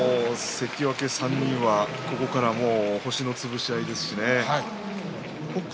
関脇３人はここからは星の潰し合いですしね。